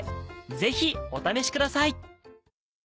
ぜひお試しください。